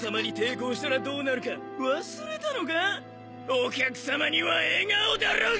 お客さまには笑顔だろうが！